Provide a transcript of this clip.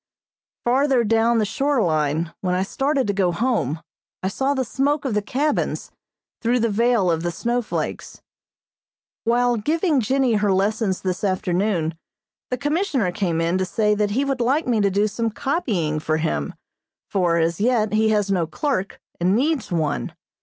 Farther down the shore line, when I started to go home, I saw the smoke of the cabins, through the veil of the snowflakes. [Illustration: WINTER PROSPECTING.] While giving Jennie her lessons this afternoon the Commissioner came in to say that he would like me to do some copying for him, for as yet he has no clerk, and needs one.